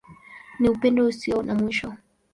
Ni Upendo Usio na Mwisho.